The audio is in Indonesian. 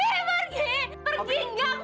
nggak mau ketemu kamu